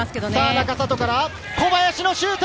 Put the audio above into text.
中里から小林のシュート！